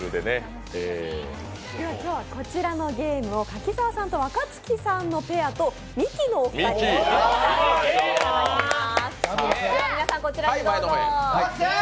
今日はこちらのゲームを柿澤さんと若槻さんのペアとミキのお二人のペアで対戦していただきます。